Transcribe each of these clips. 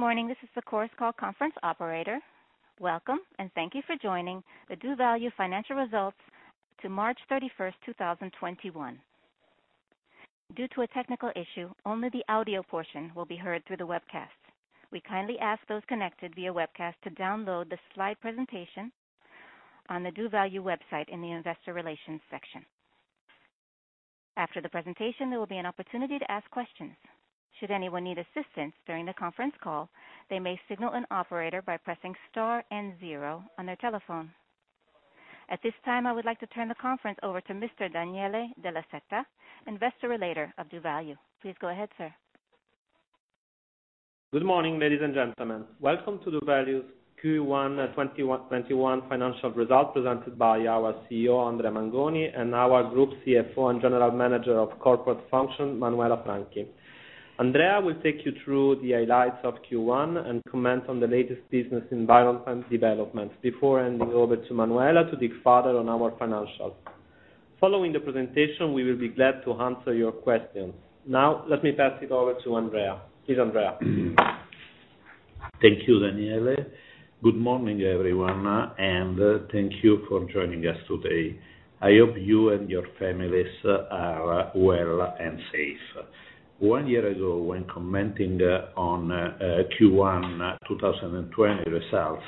Good morning. This is the Chorus Call conference operator. Welcome, and thank you for joining the doValue Financial Results to March 31st, 2021. Due to a technical issue, only the audio portion will be heard through the webcast. We kindly ask those connected via webcast to download the slide presentation on the doValue website in the investor relations section. After the presentation, there will be an opportunity to ask questions. Should anyone need assistance during the conference call, they may signal an operator by pressing star and zero on their telephone. At this time, I would like to turn the conference over to Mr. Daniele Della Seta, Investor Relations of doValue. Please go ahead, Sir. Good morning, ladies and gentlemen. Welcome to doValue's Q1 2021 financial results presented by our CEO, Andrea Mangoni, and our Group CFO and General Manager of Corporate Function, Manuela Franchi. Andrea will take you through the highlights of Q1 and comment on the latest business environment and developments before handing over to Manuela to dig further on our financials. Following the presentation, we will be glad to answer your questions. Let me pass it over to Andrea. Please, Andrea. Thank you, Daniele. Good morning, everyone, and thank you for joining us today. I hope you and your families are well and safe. One year ago, when commenting on Q1 2020 results,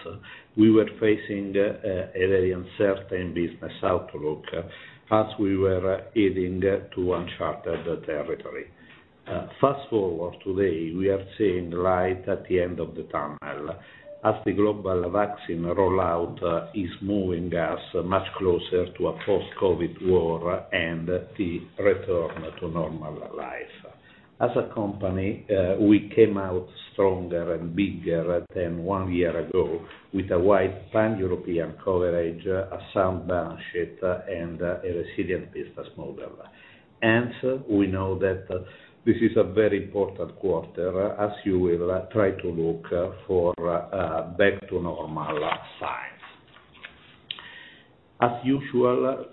we were facing a very uncertain business outlook as we were heading to uncharted territory. Fast-forward today, we are seeing light at the end of the tunnel as the global vaccine rollout is moving us much closer to a post-COVID world and the return to normal life. As a company, we came out stronger and bigger than one year ago with a wide pan-European coverage, a sound balance sheet, and a resilient business model. We know that this is a very important quarter as you will try to look for back to normal signs. As usual,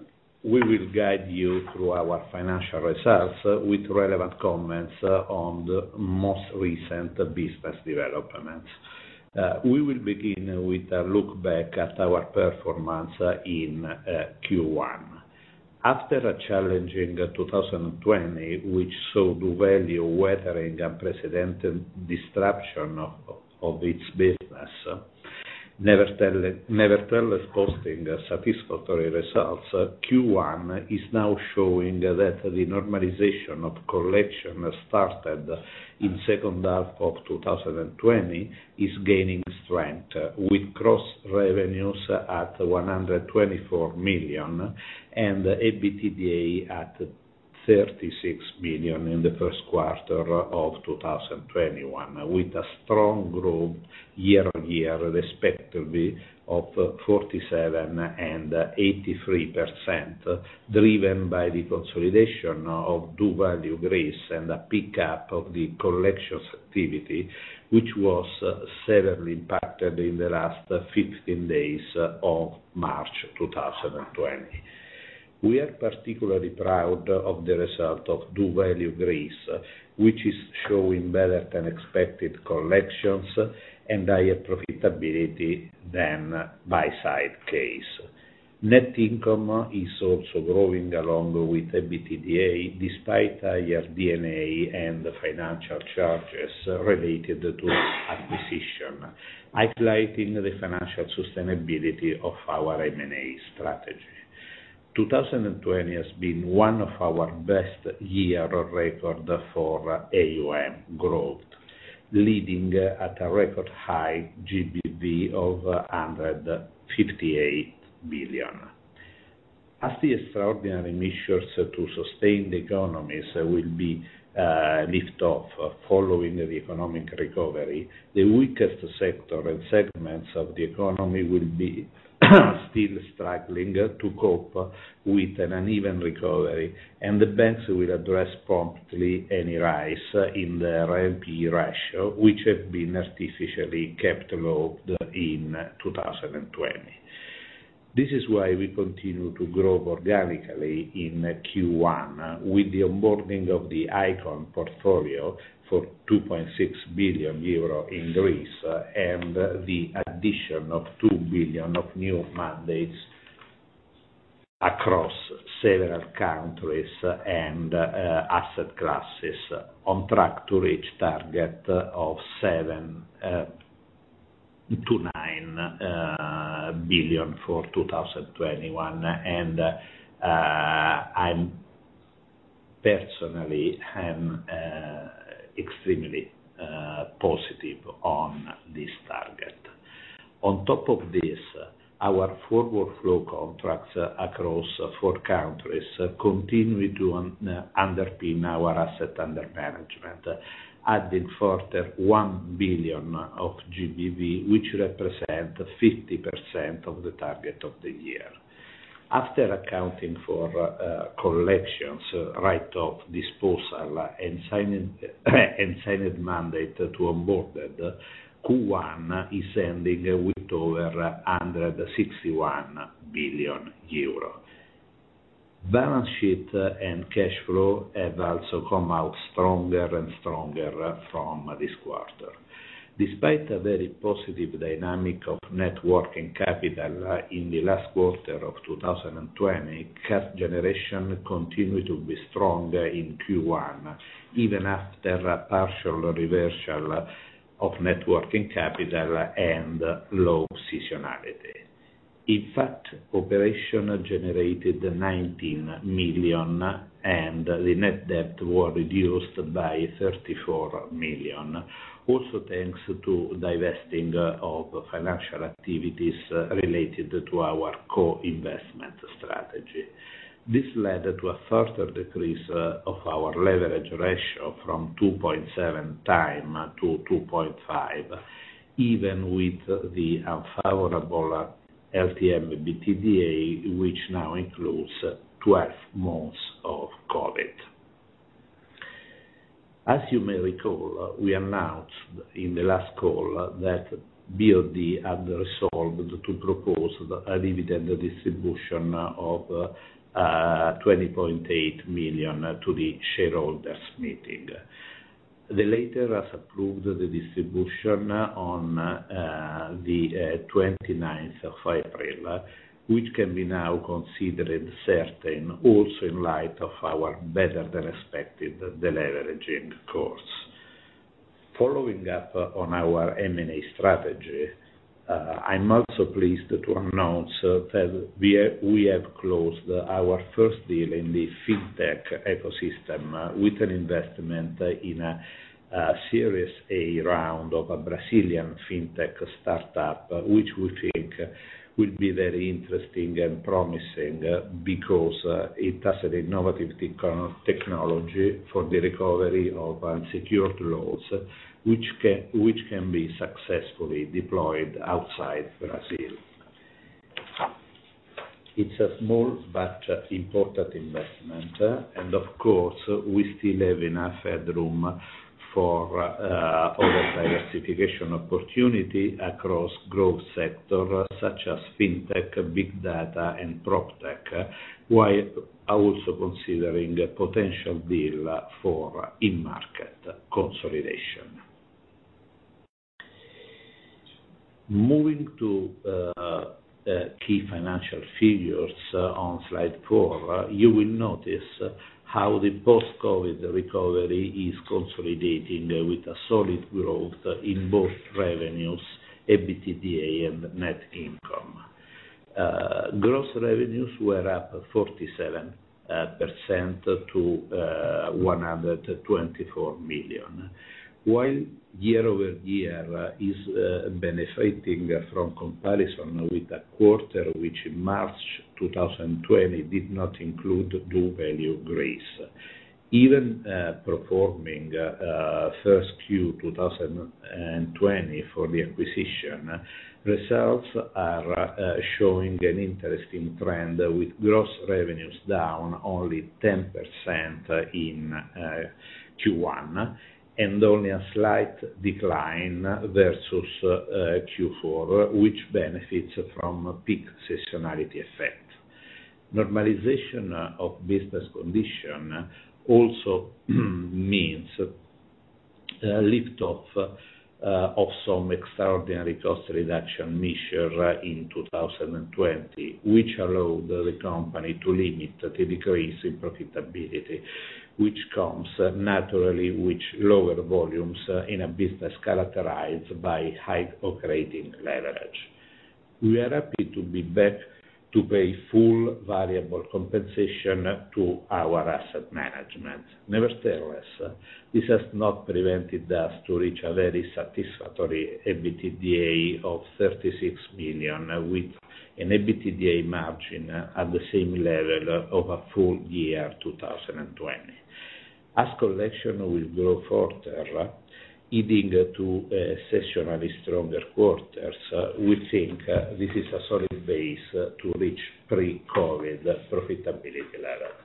we will guide you through our financial results with relevant comments on the most recent business developments. We will begin with a look back at our performance in Q1. After a challenging 2020, which saw doValue weathering unprecedented disruption of its business, nevertheless posting satisfactory results, Q1 is now showing that the normalization of collection started in second half of 2020 is gaining strength, with gross revenues at 124 million and EBITDA at 36 million in the first quarter of 2021. With a strong growth year-on-year respectively of 47% and 83%, driven by the consolidation of doValue Greece and a pickup of the collections activity, which was severely impacted in the last 15 days of March 2020. We are particularly proud of the result of doValue Greece, which is showing better than expected collections and higher profitability than buy-side case. Net income is also growing along with EBITDA, despite higher D&A and financial charges related to acquisition, highlighting the financial sustainability of our M&A strategy. 2020 has been one of our best year records for AUM growth, leading at a record high GBV of 158 billion. As the extraordinary measures to sustain the economies will be lift off following the economic recovery, the weakest sector and segments of the economy will be still struggling to cope with an uneven recovery, and the banks will address promptly any rise in their NPE ratio, which had been artificially kept low in 2020. This is why we continue to grow organically in Q1 with the onboarding of the Icon portfolio for 2.6 billion euro in Greece and the addition of 2 billion of new mandates across several countries and asset classes on track to reach target of 7 billion-9 billion for 2021, and I'm personally extremely positive on this target. On top of this, our forward flow contracts across four countries continue to underpin our asset under management, adding further 1 billion of GBV, which represent 50% of the target of the year. After accounting for collections, write-off, disposal, and signed mandate to onboarded, Q1 is ending with over 161 billion euro. Balance sheet and cash flow have also come out stronger and stronger from this quarter. Despite a very positive dynamic of net working capital in the last quarter of 2020, cash generation continued to be strong in Q1, even after a partial reversal of net working capital and low seasonality. In fact, operation generated 19 million, and the net debt was reduced by 34 million. Also, thanks to divesting of financial activities related to our co-investment strategy. This led to a further decrease of our leverage ratio from 2.7x to 2.5x, even with the unfavorable LTM EBITDA, which now includes 12 months of COVID. As you may recall, we announced in the last call that BOD had resolved to propose a dividend distribution of 20.8 million to the shareholders meeting. The latter has approved the distribution on the April 29th, which can be now considered certain, also in light of our better-than-expected deleveraging course. Following up on our M&A strategy, I'm also pleased to announce that we have closed our first deal in the fintech ecosystem with an investment in a Series A round of a Brazilian fintech startup, which we think will be very interesting and promising because it has an innovative technology for the recovery of unsecured loans, which can be successfully deployed outside Brazil. It's a small but important investment, of course, we still have enough headroom for other diversification opportunity across growth sector such as fintech, big data, and proptech, while also considering a potential deal for in-market consolidation. Moving to key financial figures on slide four, you will notice how the post-COVID recovery is consolidating with a solid growth in both revenues, EBITDA, and net income. Gross revenues were up 47% to 124 million. While year-over-year is benefiting from comparison with a quarter which in March 2020 did not include doValue Greece. Even pro forma first Q 2020 for the acquisition, results are showing an interesting trend with gross revenues down only 10% in Q1, only a slight decline versus Q4, which benefits from peak seasonality effect. Normalization of business condition also means a lift-off of some extraordinary cost reduction measure in 2020, which allowed the company to limit the decrease in profitability, which comes naturally with lower volumes in a business characterized by high operating leverage. We are happy to be back to pay full variable compensation to our asset management. Nevertheless, this has not prevented us to reach a very satisfactory EBITDA of 36 million, with an EBITDA margin at the same level of a full year 2020. As collection will grow further, leading to seasonally stronger quarters, we think this is a solid base to reach pre-COVID profitability level.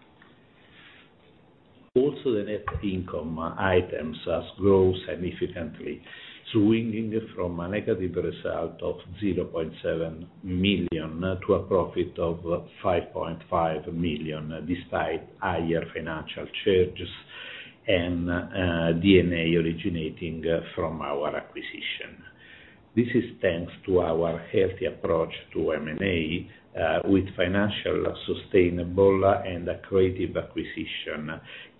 Also, the net income items has grown significantly, swinging from a negative result of 0.7 million to a profit of 5.5 million, despite higher financial charges and D&A originating from our acquisition. This is thanks to our healthy approach to M&A with financial sustainable and accretive acquisition,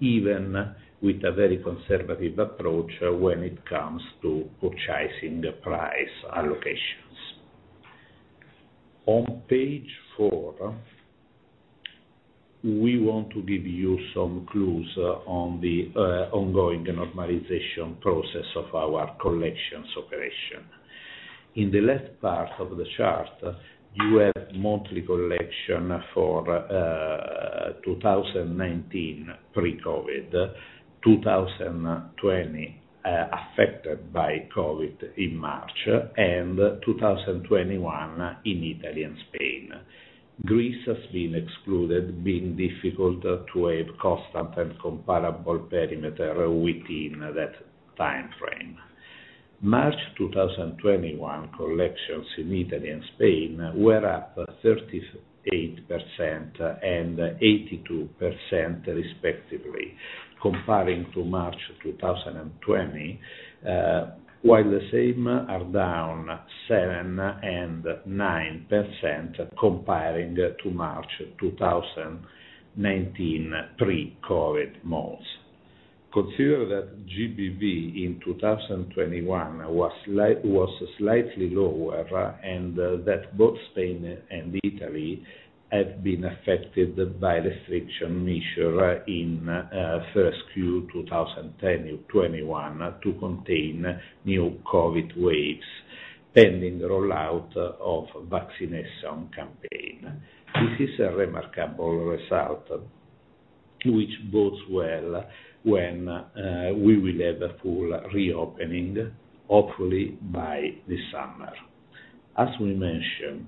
even with a very conservative approach when it comes to purchasing price allocations. On page four, we want to give you some clues on the ongoing normalization process of our collections operation. In the left part of the chart, you have monthly collection for 2019, pre-COVID, 2020, affected by COVID in March, and 2021 in Italy and Spain. Greece has been excluded, being difficult to have constant and comparable perimeter within that time frame. March 2021 collections in Italy and Spain were up 38% and 82% respectively comparing to March 2020. The same are down 7% and 9% comparing to March 2019 Pre-COVID months. Consider that GBV in 2021 was slightly lower, that both Spain and Italy have been affected by restriction measures in first Q 2021 to contain new COVID waves, pending rollout of vaccination campaigns. This is a remarkable result, which bodes well when we will have a full reopening, hopefully by this summer. As we mentioned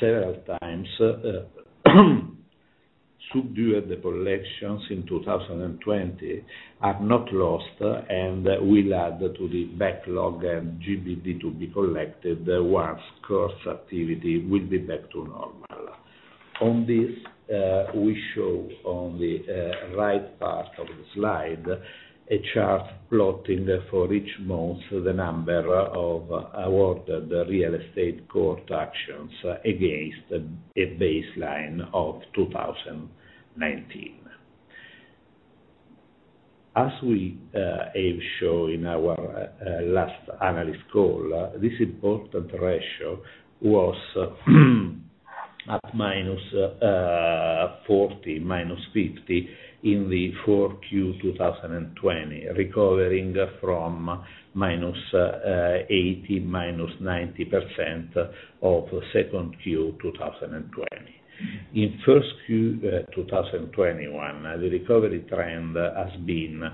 several times, subdued collections in 2020 are not lost and will add to the backlog and GBV to be collected once court activity will be back to normal. On this, we show on the right part of the slide a chart plotting for each month the number of awarded real estate court actions against a baseline of 2019. As we have shown in our last analyst call, this important ratio was at -40% to -50% in the fourth Q 2020, recovering from -80% to -90% of second Q 2020. In first Q 2021, the recovery trend has been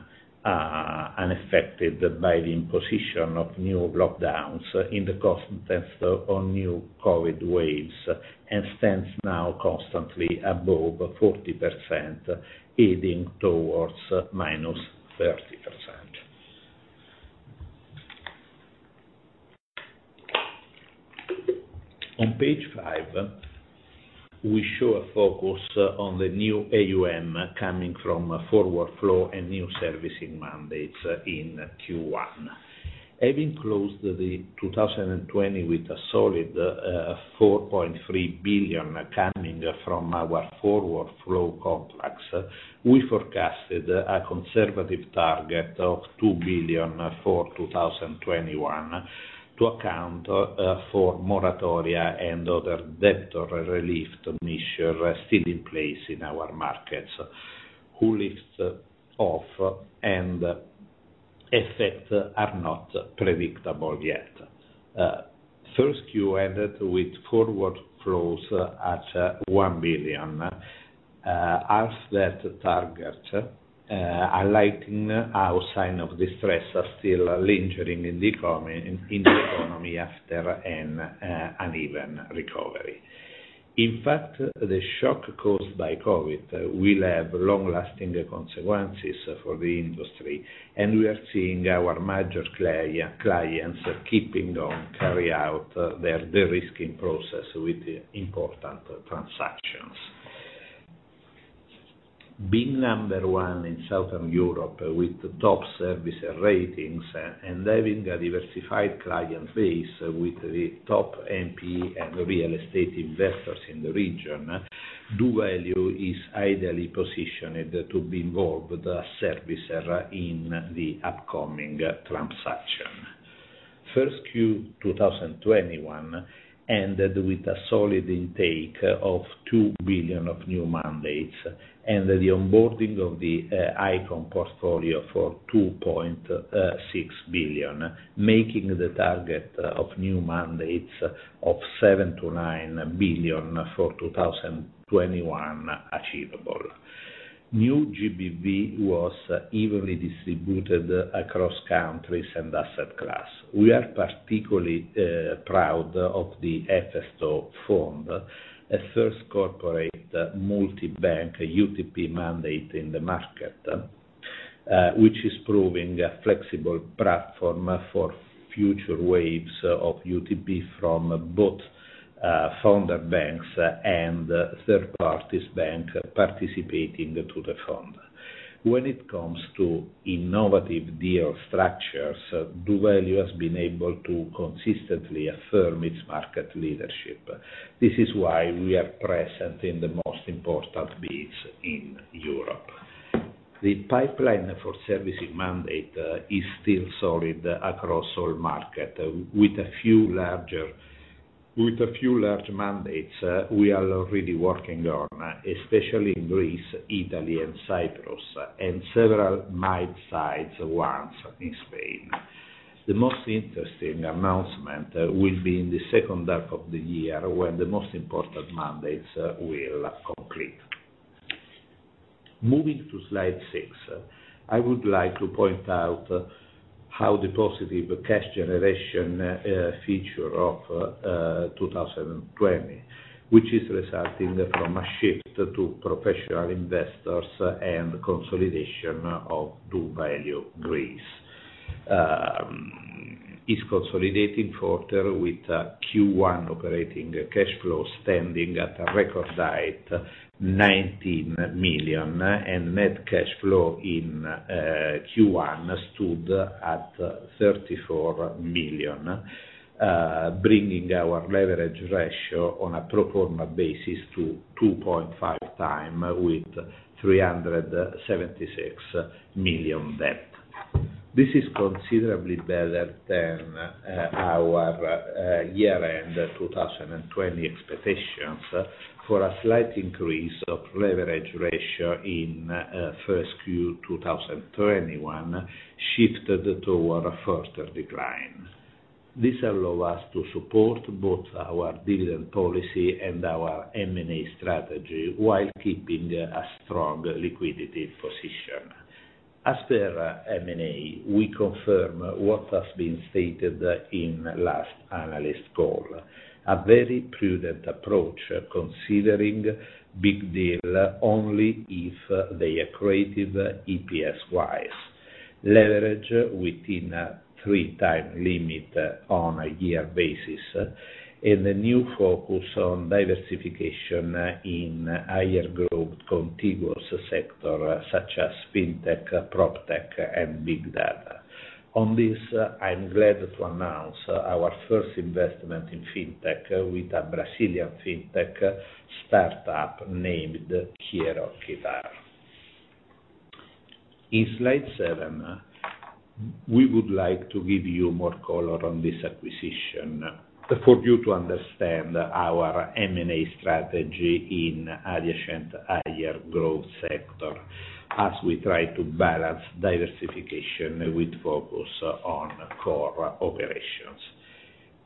unaffected by the imposition of new lockdowns in the context of new COVID waves, and stands now constantly above 40%, heading towards -30%. On page five, we show a focus on the new AUM coming from forward flow and new servicing mandates in Q1. Having closed the 2020 with a solid 4.3 billion coming from our forward flow contracts, we forecasted a conservative target of 2 billion for 2021 to account for moratoria and other debt relief measures still in place in our markets, who lifts off and effect are not predictable yet. First Q ended with forward flows at 1 billion, half that target, highlighting how sign of distress are still lingering in the economy after an uneven recovery. In fact, the shock caused by COVID will have long-lasting consequences for the industry, and we are seeing our major clients keeping on carry out their de-risking process with important transactions. Being number one in Southern Europe with top service ratings and having a diversified client base with the top NPE and real estate investors in the region, doValue is ideally positioned to be involved as servicer in the upcoming transaction. First Q 2021 ended with a solid intake of 2 billion of new mandates and the onboarding of the Icon portfolio for 2.6 billion, making the target of new mandates of 7 billion-9 billion for 2021 achievable. New GBV was evenly distributed across countries and asset class. We are particularly proud of the Efesto fund, a first corporate multi-bank UTP mandate in the market, which is proving a flexible platform for future waves of UTP from both founder banks and third parties bank participating to the fund. When it comes to innovative deal structures, doValue has been able to consistently affirm its market leadership. This is why we are present in the most important bids in Europe. The pipeline for servicing mandate is still solid across all market with a few large mandates we are already working on, especially in Greece, Italy, and Cyprus, and several mid-size ones in Spain. The most interesting announcement will be in the second half of the year, when the most important mandates will complete. Moving to slide six, I would like to point out how the positive cash generation feature of 2020, which is resulting from a shift to professional investors and consolidation of doValue Greece. Is consolidating further with Q1 operating cash flow standing at a record high, 19 million, and net cash flow in Q1 stood at 34 million, bringing our leverage ratio on a pro forma basis to 2.5x with 376 million debt. This is considerably better than our year-end 2020 expectations for a slight increase of leverage ratio in first Q2 2021, shifted toward a further decline. This allow us to support both our dividend policy and our M&A strategy while keeping a strong liquidity position. As per M&A, we confirm what has been stated in last analyst call. A very prudent approach considering big deal only if they are accretive EPS-wise, leverage within a 3x limit on a year basis, and a new focus on diversification in higher growth contiguous sector such as fintech, proptech, and big data. On this, I'm glad to announce our first investment in fintech with a Brazilian fintech startup named QueroQuitar. In slide seven, we would like to give you more color on this acquisition for you to understand our M&A strategy in adjacent higher growth sector as we try to balance diversification with focus on core operations.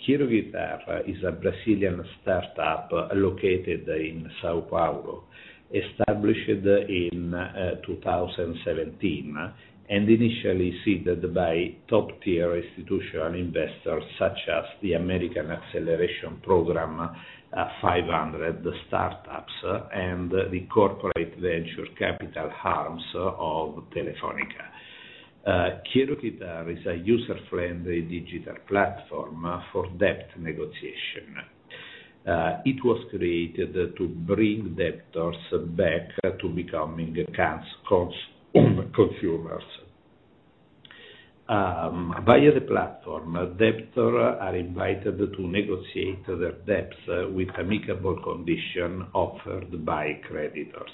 QueroQuitar is a Brazilian startup located in São Paulo, established in 2017 and initially seeded by top-tier institutional investors such as the American Acceleration Program, 500 Startups, and the corporate venture capital arms of Telefónica. QueroQuitar is a user-friendly digital platform for debt negotiation. It was created to bring debtors back to becoming consumers. Via the platform, debtor are invited to negotiate their debts with amicable condition offered by creditors.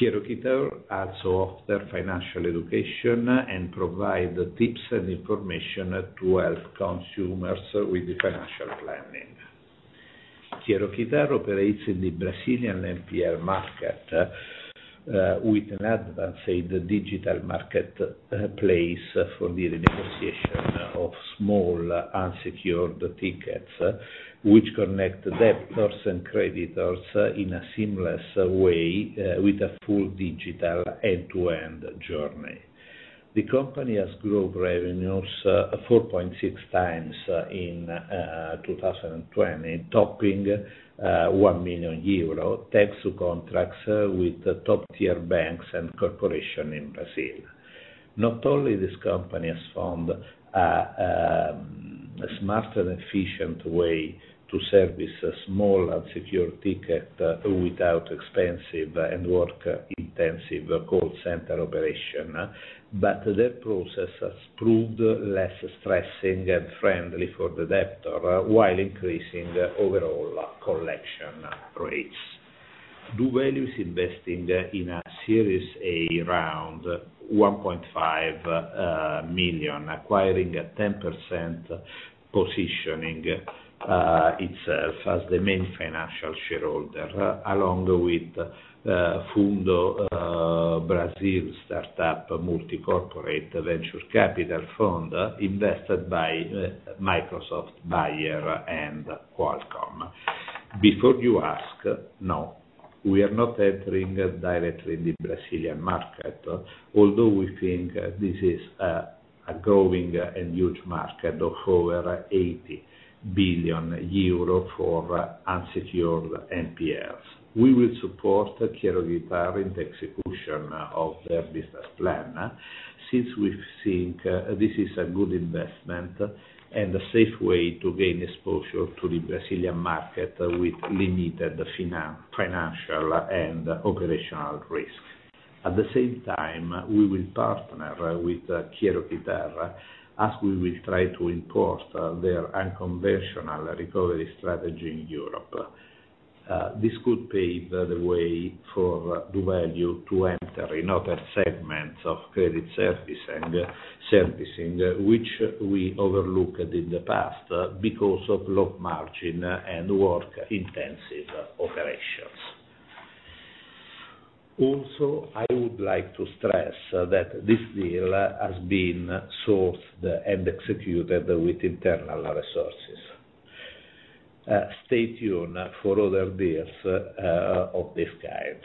QueroQuitar also offer financial education and provide tips and information to help consumers with financial planning. QueroQuitar operates in the Brazilian NPL market, with an advanced digital marketplace for the renegotiation of small unsecured tickets, which connect debtors and creditors in a seamless way with a full digital end-to-end journey. The company has grown revenues 4.6x in 2020, topping 1 million euro, thanks to contracts with top-tier banks and corporation in Brazil. Not only this company has found a smarter and efficient way to service a small unsecured ticket without expensive and work-intensive call center operation, but their process has proved less stressing and friendly for the debtor while increasing overall collection rates. doValue's investing in a Series A round 1.5 million, acquiring a 10% positioning itself as the main financial shareholder, along with BR Startups multi-corporate venture capital fund invested by Microsoft, Bayer and Qualcomm. Before you ask, no, we are not entering directly in the Brazilian market, although we think this is a growing and huge market of over 80 billion euro for unsecured NPLs. We will support QueroQuitar in the execution of their business plan since we think this is a good investment and a safe way to gain exposure to the Brazilian market with limited financial and operational risk. At the same time, we will partner with QueroQuitar as we will try to import their unconventional recovery strategy in Europe. This could pave the way for doValue to enter in other segments of credit servicing, which we overlooked in the past because of low margin and work-intensive operations. Also, I would like to stress that this deal has been sourced and executed with internal resources. Stay tuned for other deals of this kind.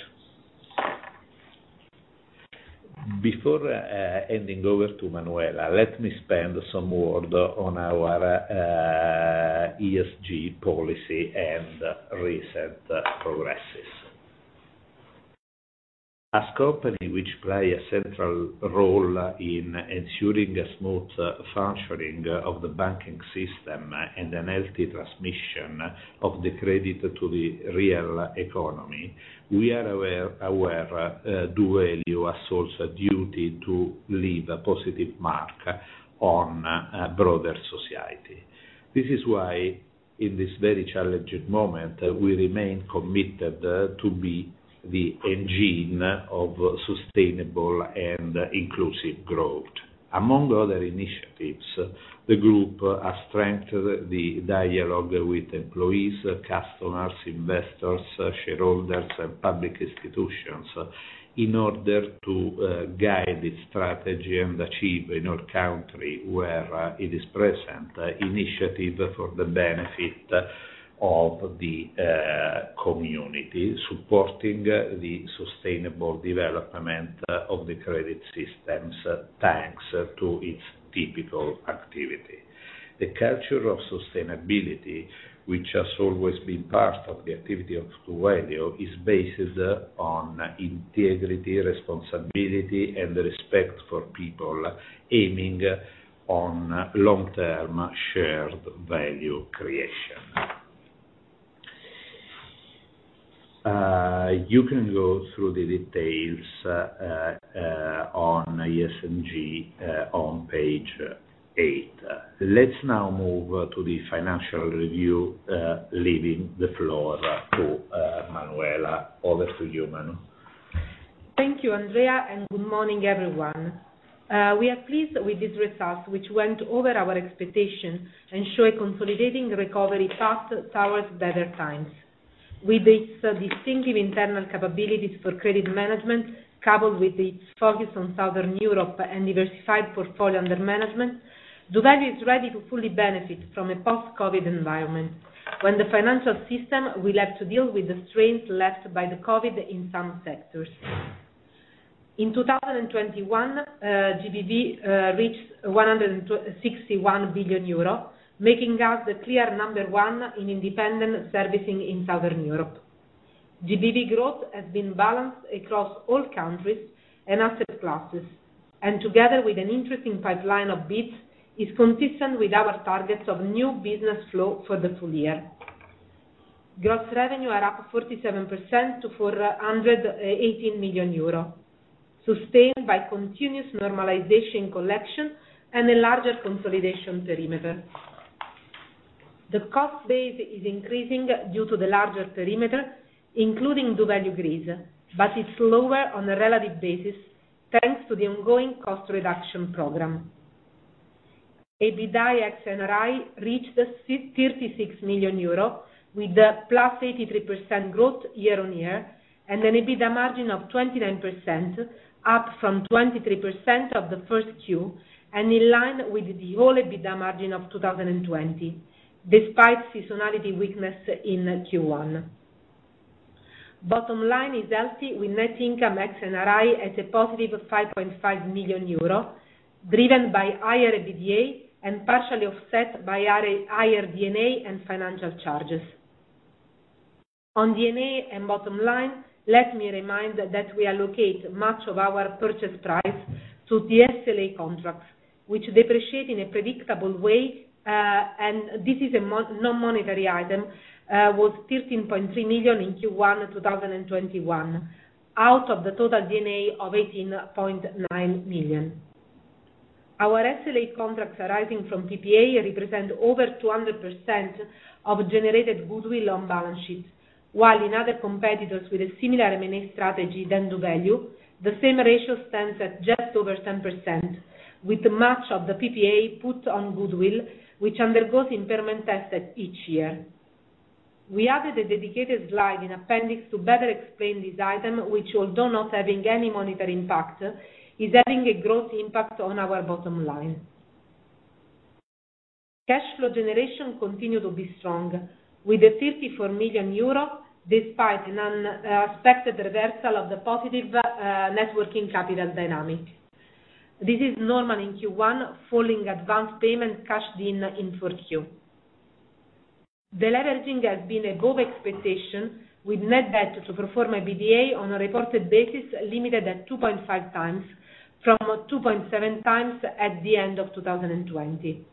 Before handing over to Manuela, let me spend some word on our ESG policy and recent progresses. As company which play a central role in ensuring a smooth functioning of the banking system and an healthy transmission of the credit to the real economy, we are aware, doValue has also a duty to leave a positive mark on broader society. This is why, in this very challenging moment, we remain committed to be the engine of sustainable and inclusive growth. Among other initiatives, the group has strengthened the dialogue with employees, customers, investors, shareholders, and public institutions in order to guide its strategy and achieve in all country where it is present, initiative for the benefit of the community, supporting the sustainable development of the credit systems, thanks to its typical activity. The culture of sustainability, which has always been part of the activity of doValue, is based on integrity, responsibility, and respect for people, aiming on long-term shared value creation. You can go through the details on ESG on page eight. Let's now move to the financial review, leaving the floor to Manuela. Over to you, Manu. Thank you, Andrea, and good morning, everyone. We are pleased with these results, which went over our expectation and show a consolidating recovery path towards better times. With its distinctive internal capabilities for credit management, coupled with its focus on Southern Europe and diversified portfolio under management, doValue is ready to fully benefit from a post-COVID environment, when the financial system will have to deal with the strains left by the COVID in some sectors. In 2021, GBV reached 161 billion euro, making us the clear number one in independent servicing in Southern Europe. GBV growth has been balanced across all countries and asset classes, and together with an interesting pipeline of bids, is consistent with our targets of new business flow for the full year. Gross revenue are up 47% to 418 million euro, sustained by continuous normalization collection and a larger consolidation perimeter. The cost base is increasing due to the larger perimeter, including doValue Greece, but it's lower on a relative basis, thanks to the ongoing cost reduction program. EBITDA ex NRI reached 36 million euro, with a +83% growth year on year, and an EBITDA margin of 29%, up from 23% of the first Q, and in line with the whole EBITDA margin of 2020, despite seasonality weakness in Q1. Bottom line is healthy with net income ex NRI at a positive 5.5 million euro, driven by higher EBITDA and partially offset by higher D&A and financial charges. On D&A and bottom line, let me remind that we allocate much of our purchase price to the SLA contracts, which depreciate in a predictable way, and this is a non-monetary item, was 13.3 million in Q1 2021, out of the total D&A of 18.9 million. Our SLA contracts arising from PPA represent over 200% of generated goodwill on balance sheet, while in other competitors with a similar M&A strategy than doValue, the same ratio stands at just over 10%, with much of the PPA put on goodwill, which undergoes impairment tested each year. We added a dedicated slide in appendix to better explain this item, which although not having any monetary impact, is having a growth impact on our bottom line. Cash flow generation continued to be strong, with a 34 million euro, despite an unexpected reversal of the positive networking capital dynamic. This is normal in Q1, following advance payment cashed in in Q4. Deleveraging has been above expectation with net debt to pro forma EBITDA on a reported basis limited at 2.5x from 2.7x at the end of 2020.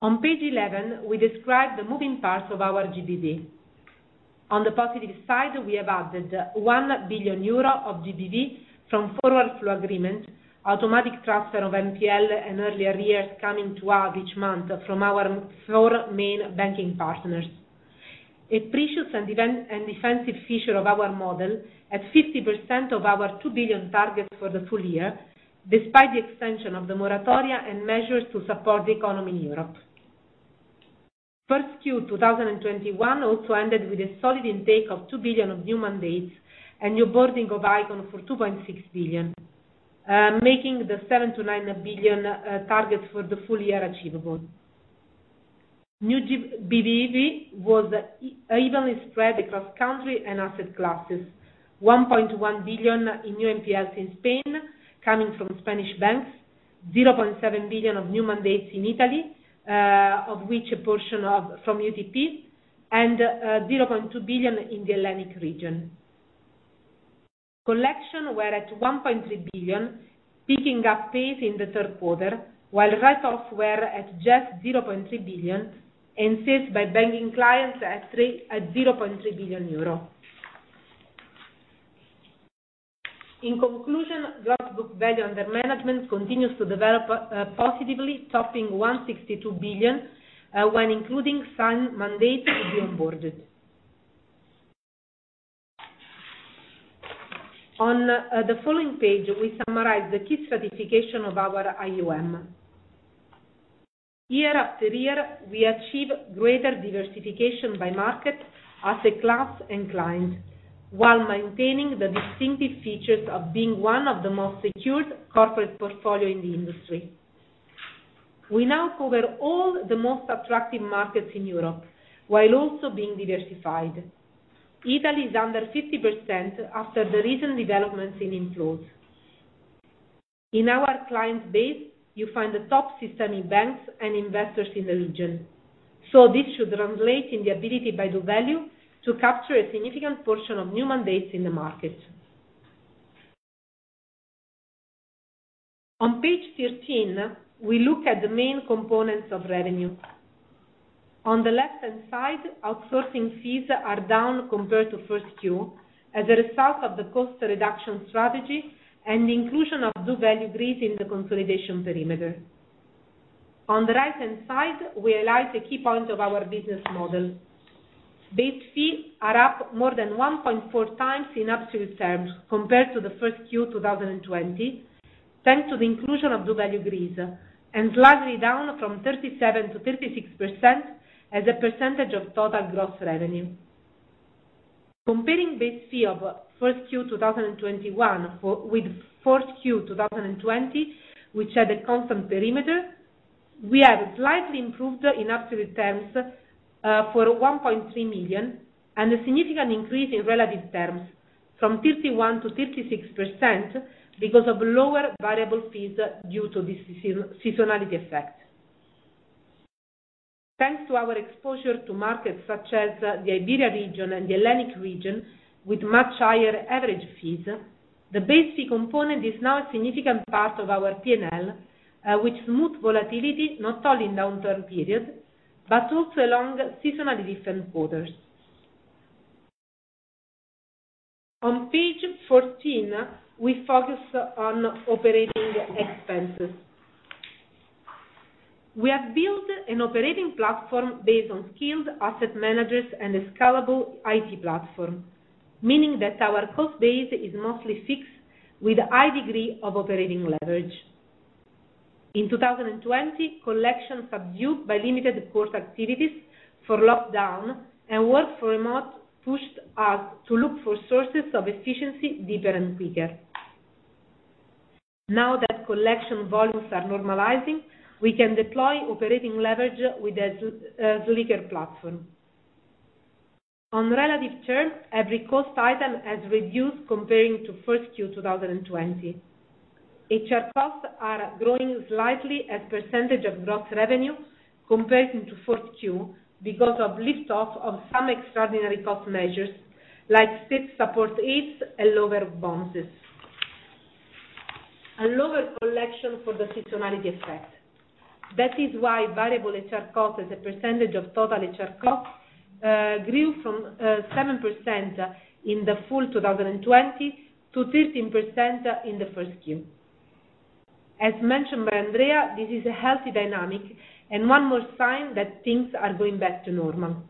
On page 11, we describe the moving parts of our GBV. On the positive side, we have added 1 billion euro of GBV from forward flow agreement, automatic transfer of NPL in earlier years coming to us each month from our four main banking partners. A precious and defensive feature of our model, at 50% of our 2 billion target for the full year, despite the extension of the moratoria and measures to support the economy in Europe. Q1 2021 also ended with a solid intake of 2 billion of new mandates and new boarding of Project Icon for 2.6 billion, making the 7 billion-9 billion target for the full year achievable. New GBV was evenly spread across country and asset classes. 1.1 billion in new NPLs in Spain, coming from Spanish banks. 0.7 billion of new mandates in Italy, of which a portion from UTP, and 0.2 billion in the Hellenic region. Collections were at 1.3 billion, picking up pace in the third quarter, while write-offs were at just 0.3 billion, and sales by banking clients at 3.0 billion euro. In conclusion, Gross Book Value under management continues to develop positively, topping 162 billion, when including signed mandates to be onboarded. On the following page, we summarize the key certification of our AUM. Year after year, we achieve greater diversification by market, asset class, and client, while maintaining the distinctive features of being one of the most secured corporate portfolios in the industry. We now cover all the most attractive markets in Europe, while also being diversified. Italy is under 50% after the recent developments in inflows. In our client base, you find the top systemic banks and investors in the region. This should translate in the ability by doValue to capture a significant portion of new mandates in the market. On page 13, we look at the main components of revenue. On the left-hand side, outsourcing fees are down compared to first Q as a result of the cost reduction strategy and the inclusion of doValue Greece in the consolidation perimeter. On the right-hand side, we highlight the key point of our business model. Base fee are up more than 1.4x in absolute terms compared to the first Q 2020, thanks to the inclusion of doValue Greece, and slightly down from 37%-36% as a percentage of total gross revenue. Comparing base fee of first Q 2021 with fourth Q 2020, which had a constant perimeter, we have slightly improved in absolute terms for 1.3 million and a significant increase in relative terms from 31%-36% because of lower variable fees due to the seasonality effect. Thanks to our exposure to markets such as the Iberia region and the Hellenic region with much higher average fees, the base fee component is now a significant part of our P&L, with smooth volatility not only in downturn period, but also along seasonally different quarters. On page 14, we focus on operating expenses. We have built an operating platform based on skilled asset managers and a scalable IT platform, meaning that our cost base is mostly fixed with a high degree of operating leverage. In 2020, collection subdued by limited court activities for lockdown, and work from remote pushed us to look for sources of efficiency deeper and quicker. Now that collection volumes are normalizing, we can deploy operating leverage with a slicker platform. On relative terms, every cost item has reduced comparing to first Q 2020. HR costs are growing slightly as percentage of gross revenue comparing to fourth Q because of lift-off of some extraordinary cost measures, like state support aids and lower bonuses. A lower collection for the seasonality effect. That is why variable HR cost as a percentage of total HR cost grew from 7% in the full 2020 to 13% in the first Q. As mentioned by Andrea, this is a healthy dynamic and one more sign that things are going back to normal.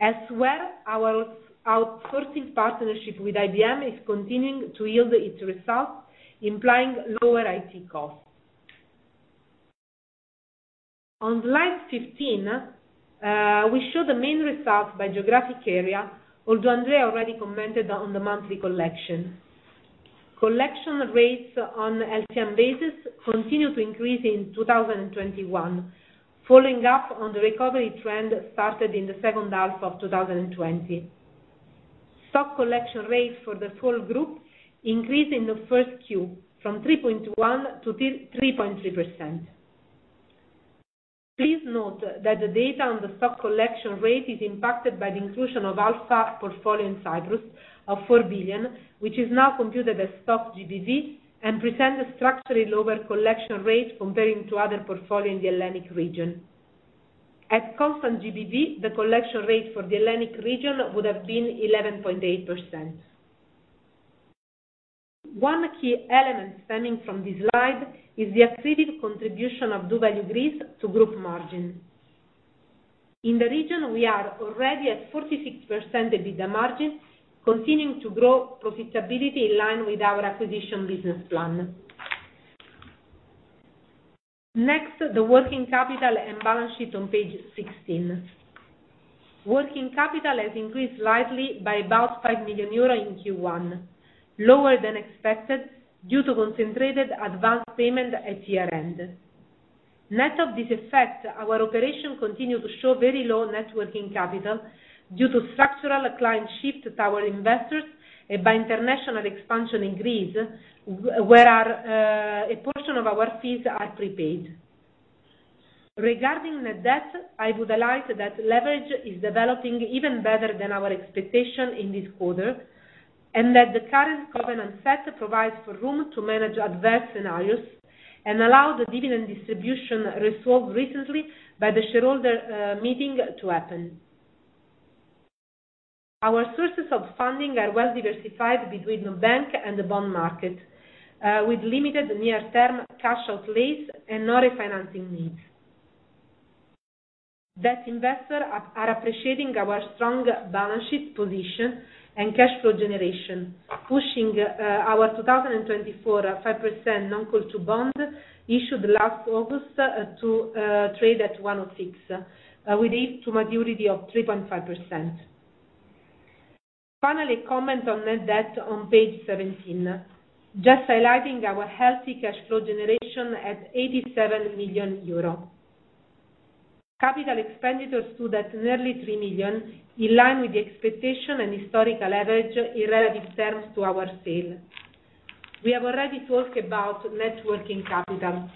As well, our outsourcing partnership with IBM is continuing to yield its results, implying lower IT costs. On slide 15, we show the main results by geographic area, although Andrea already commented on the monthly collection. Collection rates on LTM basis continue to increase in 2021, following up on the recovery trend started in the second half of 2020. Stock collection rates for the full group increased in the first Q from 3.1% to 3.3%. Please note that the data on the stock collection rate is impacted by the inclusion of Alpha portfolio in Cyprus of 4 billion, which is now computed as stock GBV and present a structurally lower collection rate comparing to other portfolio in the Hellenic region. At constant GBV, the collection rate for the Hellenic region would have been 11.8%. One key element stemming from this slide is the accretive contribution of doValue Greece to group margin. In the region, we are already at 46% EBITDA margin, continuing to grow profitability in line with our acquisition business plan. Next, the working capital and balance sheet on page 16. Working capital has increased slightly by about 5 million euros in Q1, lower than expected due to concentrated advanced payment at year-end. Net of this effect, our operation continued to show very low net working capital due to structural client shift to our investors and by international expansion in Greece, where a portion of our fees are prepaid. Regarding net debt, I would highlight that leverage is developing even better than our expectation in this quarter, and that the current covenant set provides for room to manage adverse scenarios and allow the dividend distribution resolved recently by the shareholder meeting to happen. Our sources of funding are well diversified between the bank and the bond market, with limited near-term cash outflows and no refinancing needs. Debt investors are appreciating our strong balance sheet position and cash flow generation, pushing our 2024 5% non-call two bond issued last August to trade at 106, with yield to maturity of 3.5%. Finally, comment on net debt on page 17. Just highlighting our healthy cash flow generation at 87 million euro. Capital expenditures stood at nearly 3 million, in line with the expectation and historical average in relative terms to our sale. We have already talked about net working capital.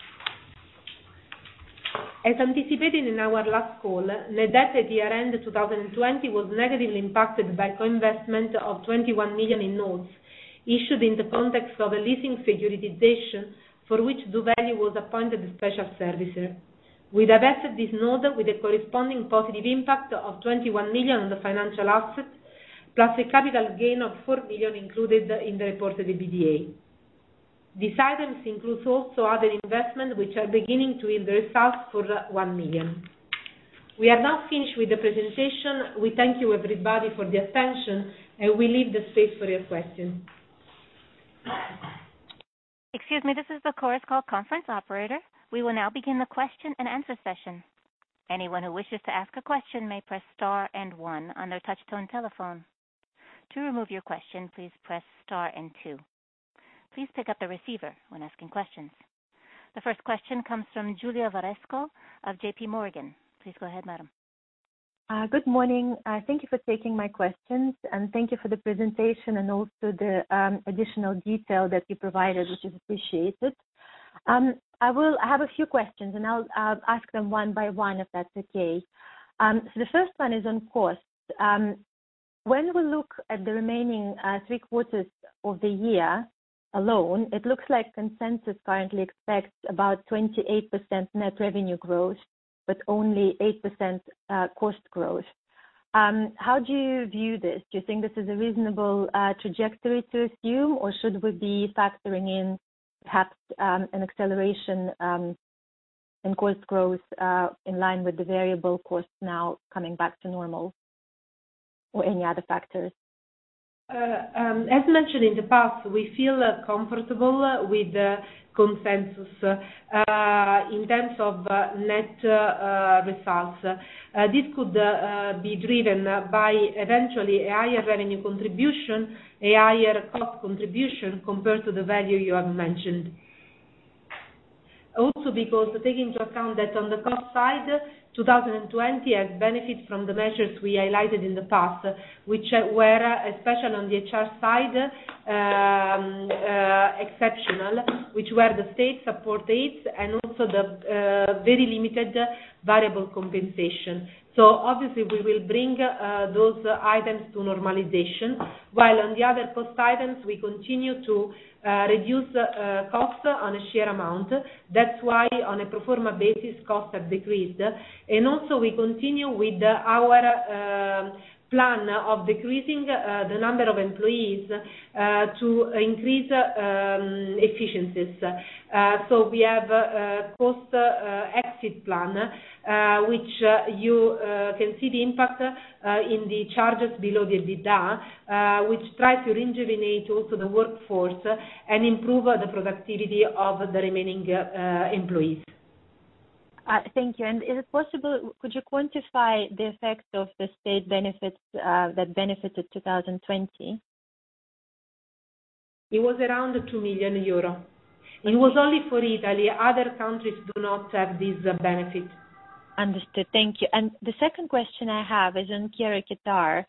As anticipated in our last call, net debt at year-end 2020 was negatively impacted by co-investment of 21 million in notes issued in the context of a leasing securitization, for which doValue was appointed special servicer. We divested this note with a corresponding positive impact of 21 million on the financial asset, plus a capital gain of 4 million included in the reported EBITDA. These items include also other investment, which are beginning to invest us for 1 million. We have now finished with the presentation. We thank you everybody for the attention. We leave the space for your questions. Excuse me, this is the Chorus Call conference operator. We will now begin the question-and-answer session. Anyone who wishes to ask a question may press star and one on their touch-tone telephone. To remove your question, please press star and two. Please pick up the receiver when asking questions. The first question comes from Julia Varesko of JP Morgan. Please go ahead, madam. Good morning. Thank you for taking my questions, and thank you for the presentation and also the additional detail that you provided, which is appreciated. I have a few questions, and I'll ask them one by one if that's okay. The first one is on costs. When we look at the remaining three quarters of the year alone, it looks like consensus currently expects about 28% net revenue growth, but only 8% cost growth. How do you view this? Do you think this is a reasonable trajectory to assume, or should we be factoring in perhaps an acceleration in cost growth in line with the variable costs now coming back to normal, or any other factors? As mentioned in the past, we feel comfortable with the consensus in terms of net results. This could be driven by eventually a higher revenue contribution, a higher cost contribution compared to the value you have mentioned. Because take into account that on the cost side, 2020 has benefited from the measures we highlighted in the past, which were, especially on the HR side, exceptional, which were the state support aids and also the very limited variable compensation. Obviously we will bring those items to normalization, while on the other cost items, we continue to reduce costs on a share amount. That's why on a pro forma basis, costs have decreased. Also, we continue with our plan of decreasing the number of employees to increase efficiencies. We have a cost exit plan, which you can see the impact in the charges below the EBITDA, which tries to rejuvenate also the workforce and improve the productivity of the remaining employees. Thank you. Is it possible, could you quantify the effect of the state benefits that benefited 2020? It was around 2 million euros. It was only for Italy. Other countries do not have this benefit. Understood. Thank you. The second question I have is on QueroQuitar.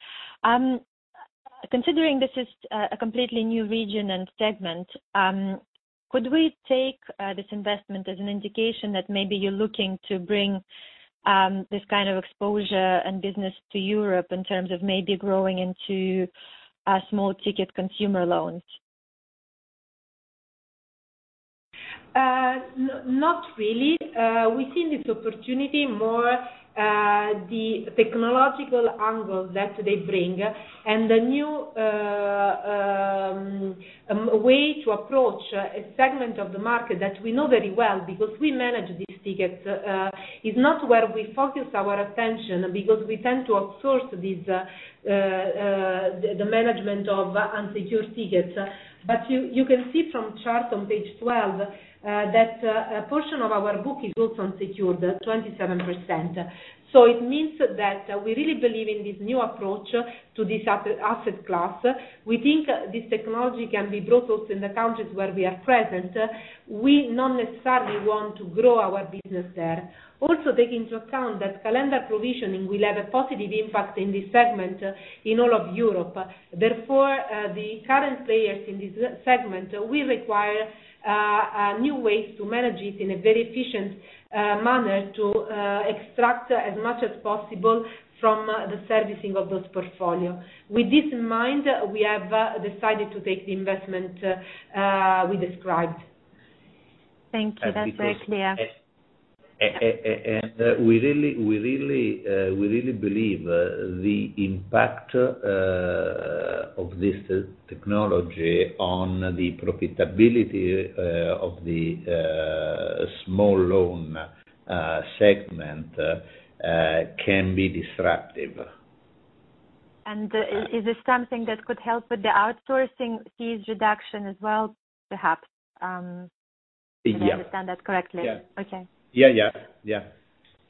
Considering this is a completely new region and segment, could we take this investment as an indication that maybe you're looking to bring this kind of exposure and business to Europe in terms of maybe growing into small-ticket consumer loans? Not really. We see this opportunity more the technological angle that they bring and the new way to approach a segment of the market that we know very well because we manage these tickets. It's not where we focus our attention because we tend to outsource the management of unsecured tickets. You can see from chart on page 12 that a portion of our book is also secured, 27%. It means that we really believe in this new approach to this asset class. We think this technology can be brought also in the countries where we are present. We not necessarily want to grow our business there. Also take into account that calendar provisioning will have a positive impact in this segment in all of Europe. Therefore, the current players in this segment will require new ways to manage it in a very efficient manner to extract as much as possible from the servicing of those portfolios. With this in mind, we have decided to take the investment we described. Thank you. That's very clear. We really believe the impact of this technology on the profitability of the small loan segment can be disruptive. Is this something that could help with the outsourcing fees reduction as well, perhaps? Yeah. Did I understand that correctly? Yeah. Okay. Yeah.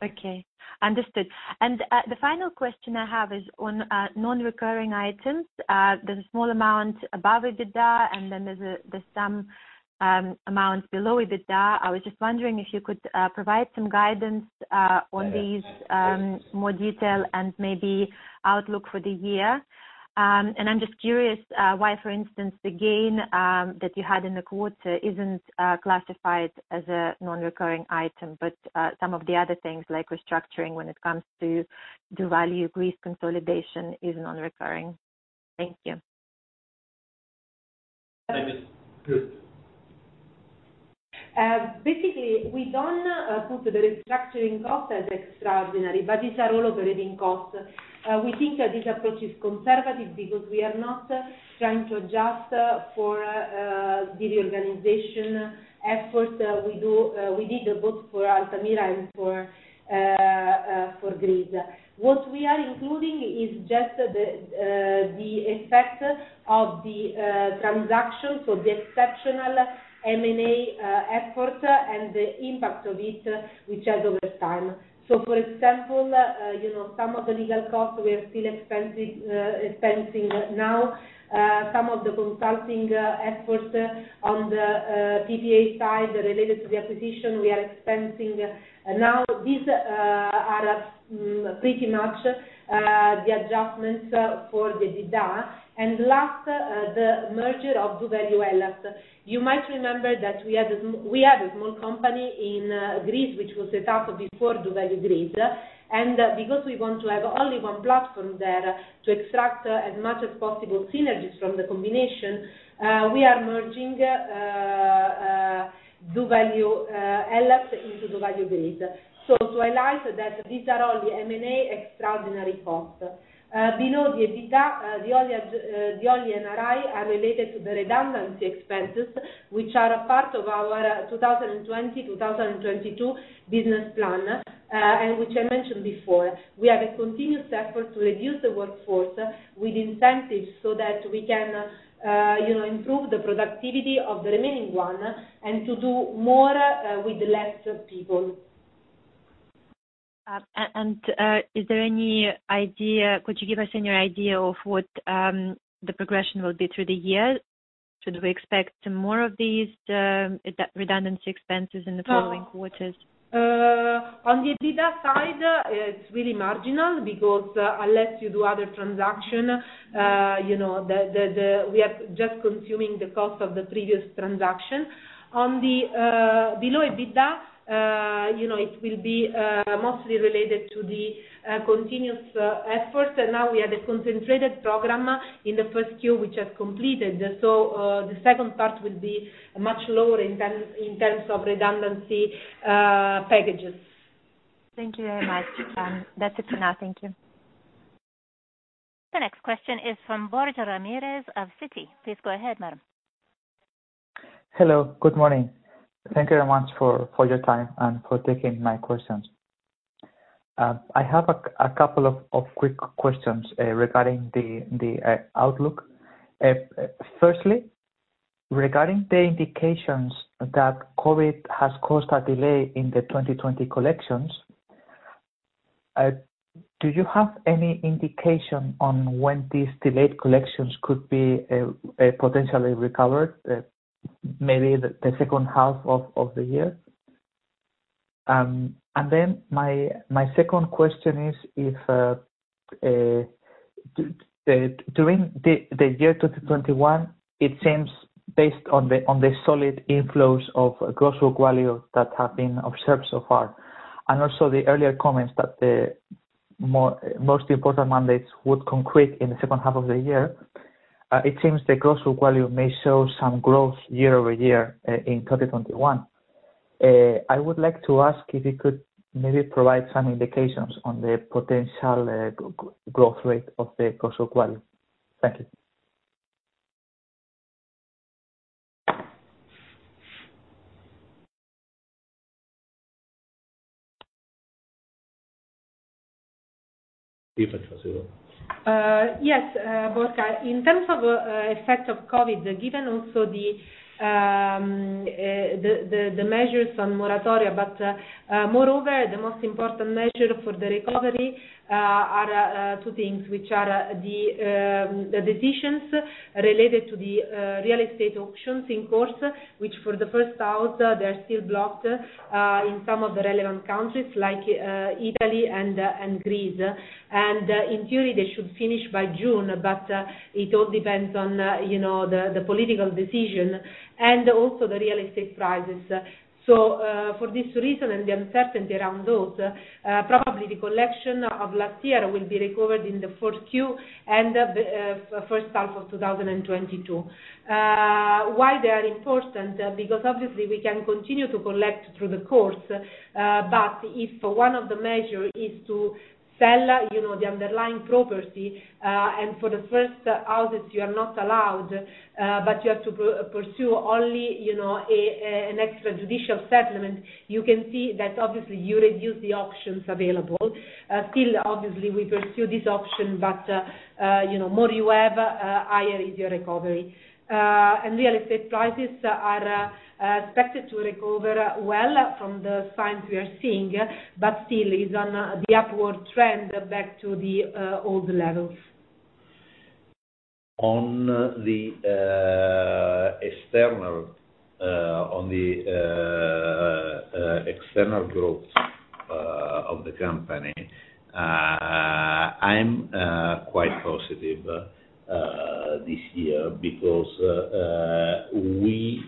Okay. Understood. The final question I have is on non-recurring items. There's a small amount above EBITDA, and then there's some amount below EBITDA. I was just wondering if you could provide some guidance on these, more detail and maybe outlook for the year. I'm just curious why, for instance, the gain that you had in the quarter isn't classified as a non-recurring item, but some of the other things like restructuring when it comes to doValue Greece consolidation is non-recurring. Thank you. [inaudible] Basically, we don't put the restructuring cost as extraordinary, these are all operating costs. We think that this approach is conservative because we are not trying to adjust for the reorganization effort we did both for Altamira and for Greece. What we are including is just the effect of the transaction, the exceptional M&A effort and the impact of it, which has over time. For example, some of the legal costs we are still expensing now. Some of the consulting efforts on the PPA side related to the acquisition we are expensing now. These are pretty much the adjustments for the EBITDA. Last, the merger of doValue Hellas. You might remember that we had a small company in Greece, which was set up before doValue Greece. Because we want to have only one platform there to extract as much as possible synergies from the combination, we are merging doValue Hellas into doValue Greece. To highlight that these are all the M&A extraordinary costs. Below the EBITDA, the only NRI are related to the redundancy expenses, which are a part of our 2020, 2022 business plan, and which I mentioned before. We have a continuous effort to reduce the workforce with incentives so that we can improve the productivity of the remaining one and to do more with less people. Is there any idea, could you give us any idea of what the progression will be through the year? Should we expect more of these redundancy expenses in the following quarters? On the EBITDA side, it's really marginal because unless you do other transaction, we are just consuming the cost of the previous transaction. On the below EBITDA, it will be mostly related to the continuous effort. We have a concentrated program in the first Q, which has completed. The second part will be much lower in terms of redundancy packages. Thank you very much. That's it for now. Thank you. The next question is from Borja Ramirez of Citi. Please go ahead, madam. Hello. Good morning. Thank you very much for your time and for taking my questions. I have a couple of quick questions regarding the outlook. Firstly, regarding the indications that COVID has caused a delay in the 2020 collections, do you have any indication on when these delayed collections could be potentially recovered? Maybe the second half of the year? My second question is if, during the year 2021, it seems based on the solid inflows of Gross Book Value that have been observed so far, and also the earlier comments that the most important mandates would come quick in the second half of the year, it seems the Gross Book Value may show some growth year-over-year in 2021. I would like to ask if you could maybe provide some indications on the potential growth rate of the Gross Book Value. Thank you. If I can proceed. Yes, Borja. In terms of effect of COVID, given also the measures on moratoria, but moreover, the most important measure for the recovery are two things, which are the decisions related to the real estate auctions in courts, which for the first half, they're still blocked in some of the relevant countries, like Italy and Greece. In theory, they should finish by June, but it all depends on the political decision and also the real estate prices. For this reason, and the uncertainty around those, probably the collection of last year will be recovered in the fourth Q and the first half of 2022. Why they are important? Obviously we can continue to collect through the courts, but if one of the measure is to sell the underlying property, and for the first houses, you are not allowed, but you have to pursue only an extrajudicial settlement. You can see that obviously you reduce the options available. Still, obviously, we pursue this option, but the more you have, higher is your recovery. Real estate prices are expected to recover well from the signs we are seeing, but still is on the upward trend back to the old levels. On the external growth of the company, I'm quite positive this year because we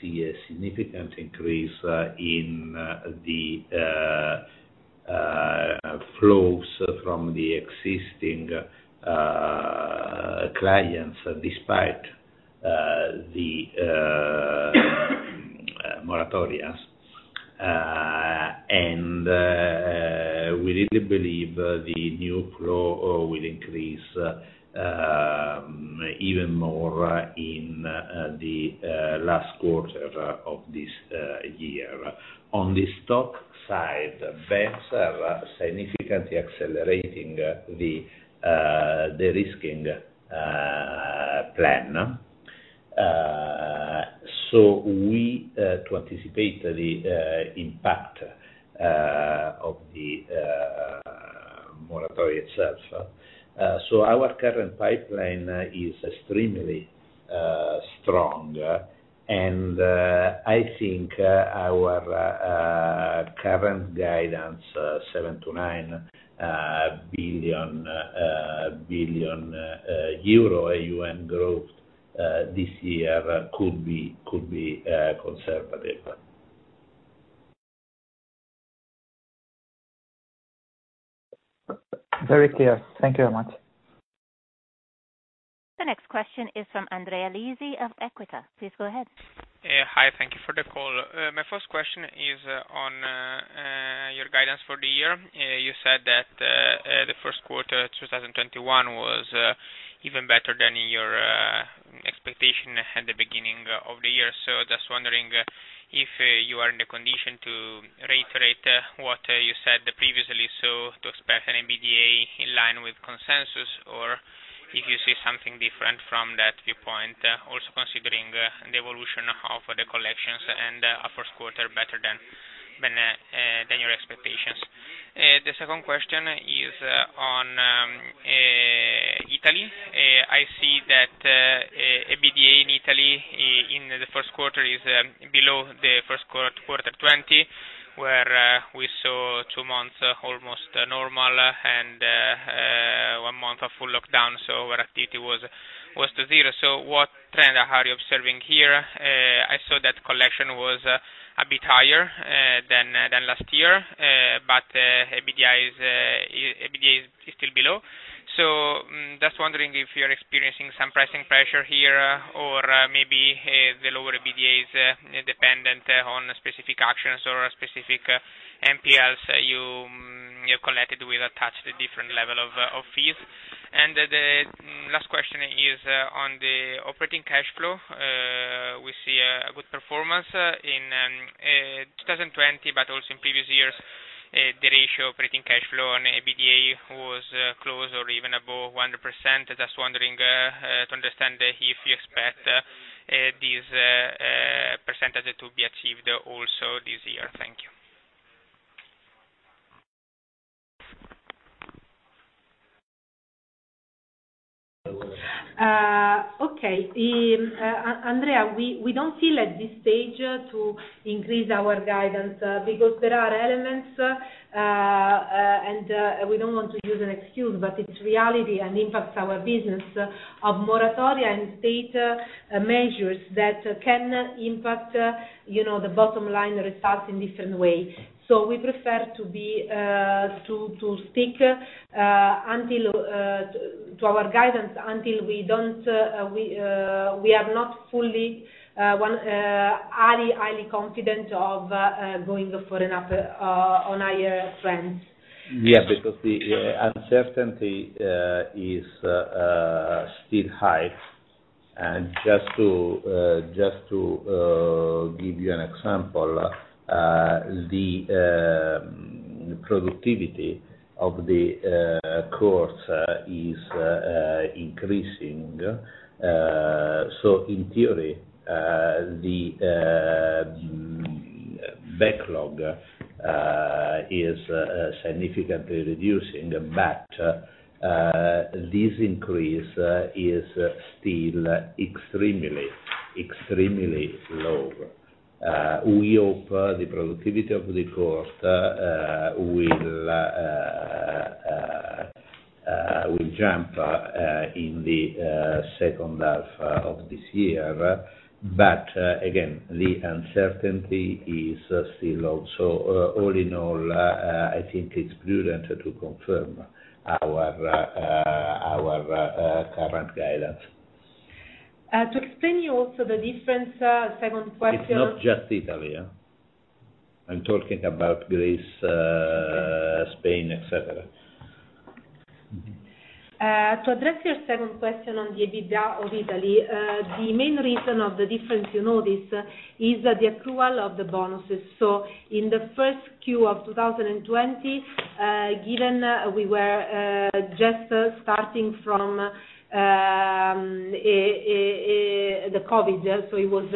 see a significant increase in the flows from the existing clients, despite the moratoria. We really believe the new flow will increase even more in the last quarter of this year. On the stock side, banks are significantly accelerating the de-risking plan to anticipate the impact of the moratoria itself. Our current pipeline is extremely strong, and I think our current guidance, 7 billion-9 billion euro AUM growth this year could be conservative. Very clear. Thank you very much. The next question is from Andrea Lisi of Equita. Please go ahead. Hi, thank you for the call. My first question is on your guidance for the year. You said that the first quarter 2021 was even better than your expectation at the beginning of the year. Just wondering if you are in the condition to reiterate what you said previously, to expect an EBITDA in line with consensus, or if you see something different from that viewpoint, also considering the evolution of the collections and a first quarter better than your expectations. The second question is on Italy. I see that EBITDA in Italy in the first quarter is below the first quarter 2020, where we saw two months almost normal, and one month of full lockdown, where activity was to zero. What trend are you observing here? I saw that collection was a bit higher than last year, but EBITDA is still below. Just wondering if you're experiencing some pricing pressure here, or maybe the lower EBITDA is dependent on specific actions or specific NPLs you collected with attached different level of fees? The last question is on the operating cash flow. We see a good performance in 2020, but also in previous years, the ratio operating cash flow on EBITDA was close or even above 100%. Just wondering to understand if you expect this percentage to be achieved also this year? Thank you. Okay. Andrea, we don't feel at this stage to increase our guidance because there are elements, and we don't want to use an excuse, but it's reality and impacts our business of moratoria and state measures that can impact the bottom line results in different way. We prefer to stick to our guidance until we are not fully highly confident of going for an on higher trend. Yeah, the uncertainty is still high. Just to give you an example, the productivity of the courts is increasing. In theory, the backlog is significantly reducing. This increase is still extremely low. We hope the productivity of the courts will jump in the second half of this year. Again, the uncertainty is still. All in all, I think it's prudent to confirm our current guidance. To explain you also the difference, second question. It's not just Italy. I'm talking about Greece, Spain, et cetera. To address your second question on the EBITDA of Italy, the main reason of the difference you notice is the accrual of the bonuses. In the first Q of 2020, given we were just starting from the COVID, so it was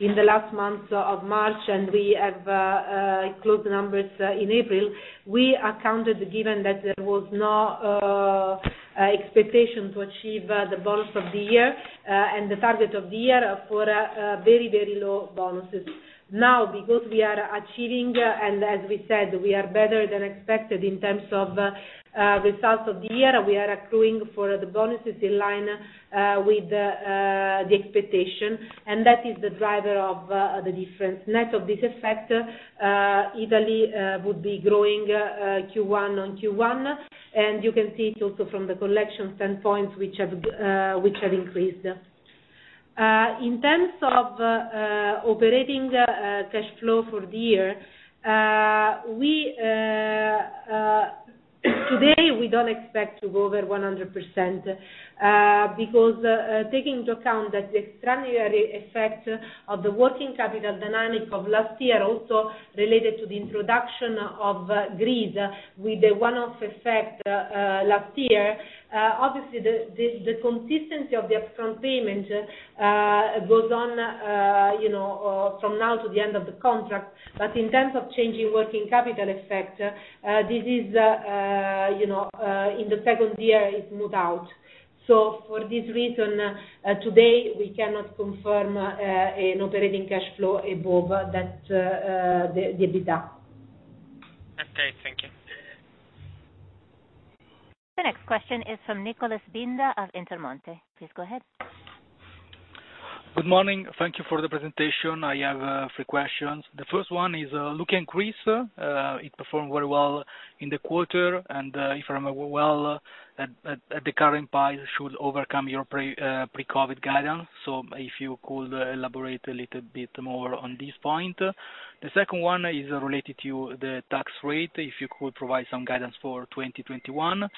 in the last month of March, and we have closed the numbers in April, we accounted, given that there was no expectation to achieve the bonus of the year, and the target of the year for very low bonuses. Now, because we are achieving, and as we said, we are better than expected in terms of results of the year, we are accruing for the bonuses in line with the expectation, and that is the driver of the difference. Net of this effect, Italy would be growing Q1 on Q1, and you can see it also from the collection standpoint, which have increased. In terms of operating cash flow for the year, today, we don't expect to go over 100%, because taking into account that the extraordinary effect of the working capital dynamic of last year, also related to the introduction of Greece with a one-off effect last year. The consistency of the upfront payment goes on from now to the end of the contract. In terms of changing working capital effect, in the second year, it's moved out. For this reason, today, we cannot confirm an operating cash flow above the EBITDA. Okay, thank you. The next question is from Nicholas Binda of Intermonte. Please go ahead. Good morning. Thank you for the presentation. I have three questions. The first one is looking Greece. It performed very well in the quarter, and if I remember well, at the current pace should overcome your pre-COVID guidance. If you could elaborate a little bit more on this point. The second one is related to the tax rate, if you could provide some guidance for 2021.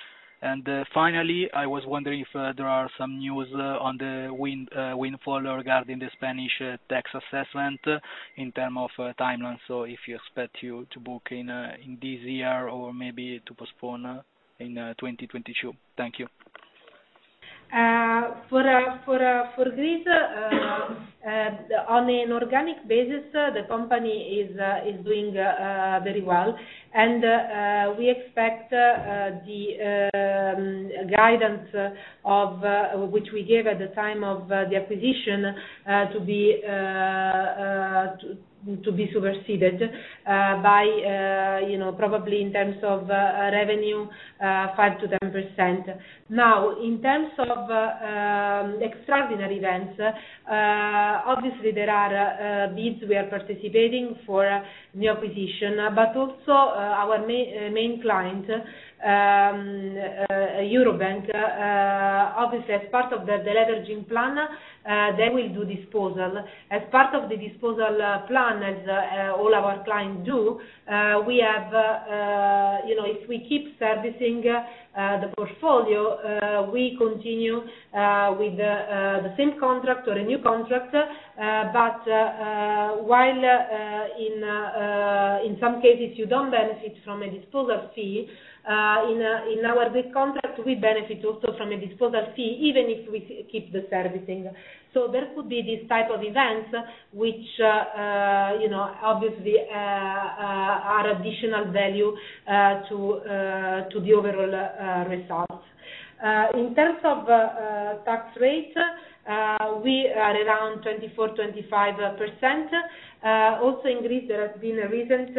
Finally, I was wondering if there are some news on the windfall regarding the Spanish tax assessment in terms of timeline. If you expect to book in this year or maybe to postpone in 2022. Thank you. For Greece, on an organic basis, the company is doing very well. We expect the guidance which we gave at the time of the acquisition to be superseded by probably in terms of revenue 5%-10%. In terms of extraordinary events, obviously there are bids we are participating for new acquisition, but also our main client, Eurobank, obviously as part of the deleveraging plan, they will do disposal. As part of the disposal plan, as all our clients do, if we keep servicing the portfolio, we continue with the same contract or a new contract. While in some cases you do not benefit from a disposal fee, in our bid contract, we benefit also from a disposal fee, even if we keep the servicing. There could be these type of events which obviously add additional value to the overall results. In terms of tax rate, we are around 24%, 25%. Also in Greece, there has been a recent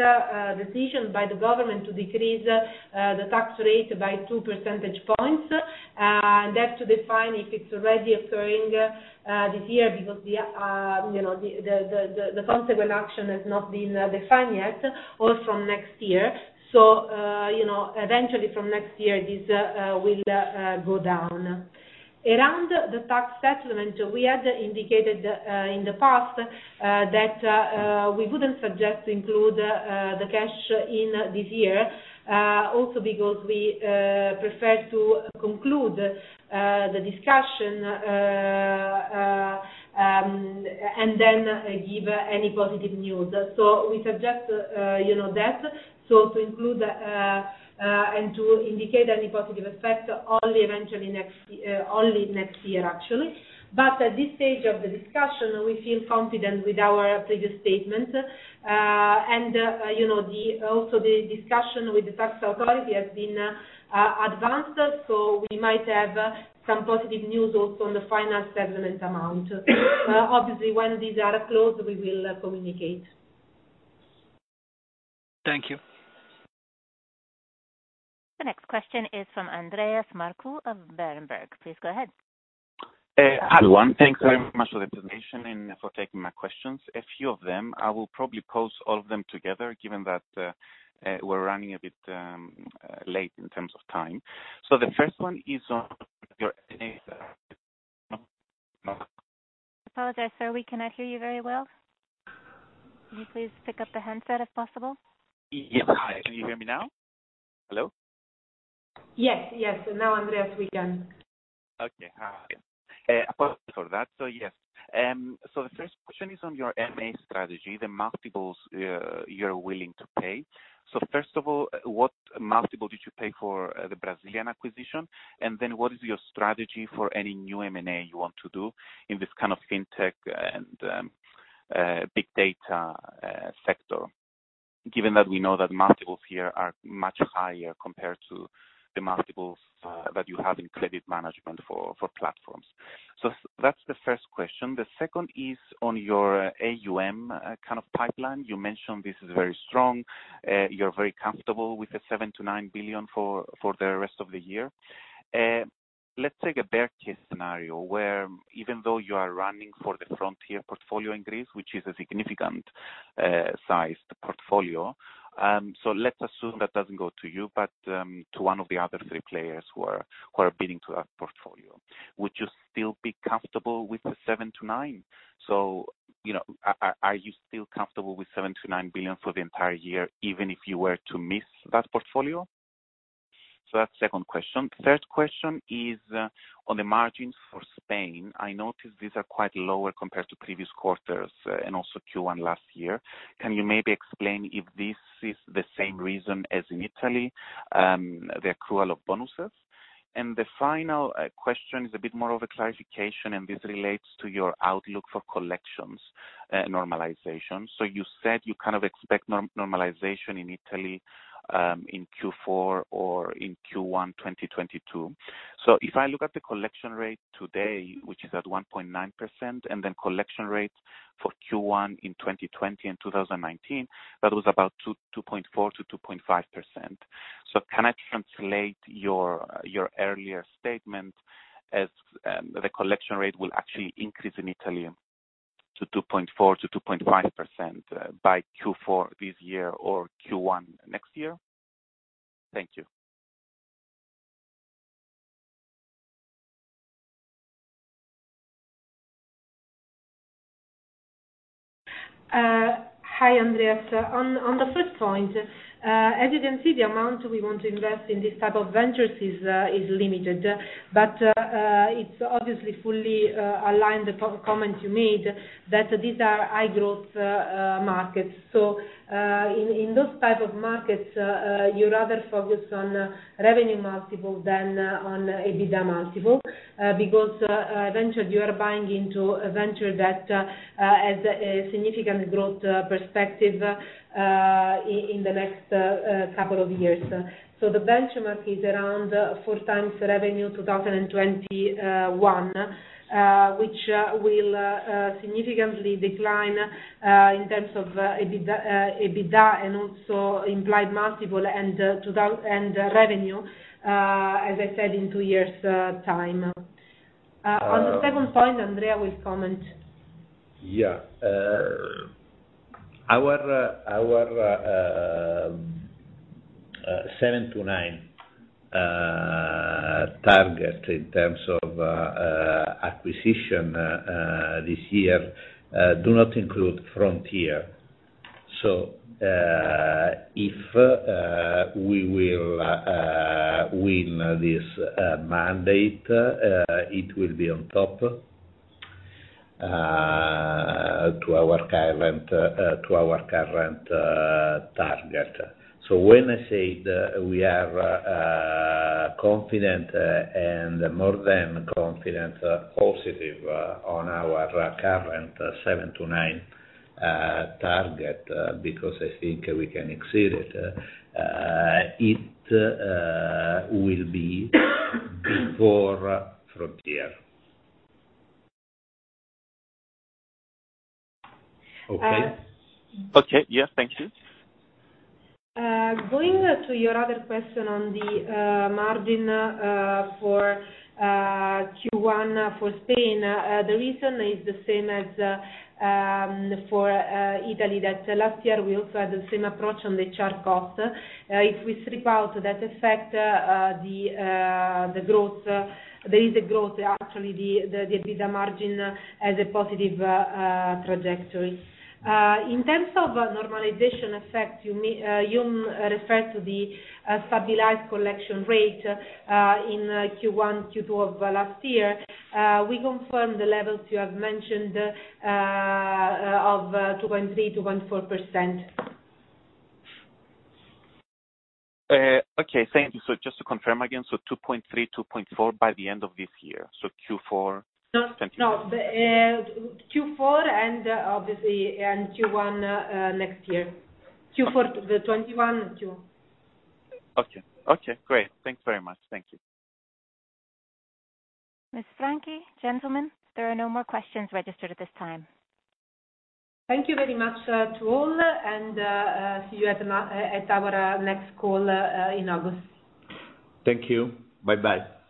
decision by the government to decrease the tax rate by two percentage points. That's to define if it's already occurring this year, because the consequent action has not been defined yet, or from next year. Eventually from next year, this will go down. Around the tax settlement, we had indicated in the past that we wouldn't suggest to include the cash in this year, also because we prefer to conclude the discussion. Then give any positive news. We suggest that. To include and to indicate any positive effect only next year, actually. At this stage of the discussion, we feel confident with our previous statement. Also the discussion with the tax authority has been advanced, we might have some positive news also on the final settlement amount. Obviously, when these are closed, we will communicate. Thank you. The next question is from Andreas Markou of Berenberg. Please go ahead. Hello. Thanks very much for the presentation and for taking my questions, a few of them. I will probably pose all of them together, given that we're running a bit late in terms of time. The first one is on your M&A I apologize, Sir. We cannot hear you very well. Can you please pick up the handset if possible? Yes. Hi, can you hear me now? Hello? Yes. Now, Andreas, we can. Okay. Hi. Apologies for that. Yes. The first question is on your M&A strategy, the multiples you're willing to pay. First of all, what multiple did you pay for the Brazilian acquisition? What is your strategy for any new M&A you want to do in this kind of fintech and big data sector, given that we know that multiples here are much higher compared to the multiples that you have in credit management for platforms? That's the first question. The second is on your AUM kind of pipeline. You mentioned this is very strong. You're very comfortable with the 7 billion-9 billion for the rest of the year. Let's take a bear case scenario where even though you are running for the Frontier portfolio in Greece, which is a significantly sized portfolio. Let's assume that doesn't go to you, but to one of the other three players who are bidding to that portfolio. Would you still be comfortable with the 7-9? Are you still comfortable with 7 billion-9 billion for the entire year, even if you were to miss that portfolio? That's the second question. Third question is on the margins for Spain. I noticed these are quite lower compared to previous quarters and also Q1 last year. Can you maybe explain if this is the same reason as in Italy, the accrual of bonuses? The final question is a bit more of a clarification, and this relates to your outlook for collections normalization. You said you kind of expect normalization in Italy in Q4 or in Q1 2022. If I look at the collection rate today, which is at 1.9%, and then collection rates for Q1 in 2020 and 2019, that was about 2.4%-2.5%. Can I translate your earlier statement as the collection rate will actually increase in Italy to 2.4%-2.5% by Q4 this year or Q1 next year? Thank you. Hi, Andreas. On the first point, as you can see, the amount we want to invest in this type of ventures is limited. It's obviously fully aligned, the comment you made, that these are high growth markets. In those types of markets, you rather focus on revenue multiple than on EBITDA multiple, because you are buying into a venture that has a significant growth perspective in the next couple of years. The benchmark is around 4x revenue 2021, which will significantly decline in terms of EBITDA and also implied multiple and revenue, as I said, in two years' time. On the second point, Andrea will comment. Yeah. Our EUR 7-EUR 9 target in terms of acquisition this year do not include Frontier. If we will win this mandate, it will be on top to our current target. When I said we are confident and more than confident, positive on our current 7-9 target because I think we can exceed it will be before Frontier. Okay. Yeah. Thank you. Going to your other question on the margin for Q1 for Spain, the reason is the same as for Italy, that last year, we also had the same approach on the charge cost. If we strip out that effect, there is a growth, actually, the EBITDA margin has a positive trajectory. In terms of normalization effect, you referred to the stabilized collection rate in Q1, Q2 of last year. We confirm the levels you have mentioned of 2.3%, 2.4%. Okay. Thank you. Just to confirm again, so 2.3%, 2.4% by the end of this year, so Q4. No, Q4 and obviously Q1 next year. Q4 2021, Q1. Okay. Great. Thanks very much. Thank you. Ms. Franchi, gentlemen, there are no more questions registered at this time. Thank you very much to all and see you at our next call in August. Thank you. Bye-bye.